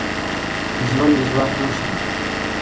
زغم د ځواک نښه ده